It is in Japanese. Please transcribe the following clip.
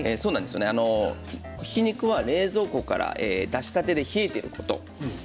ひき肉は冷蔵庫から出したてで冷えていること。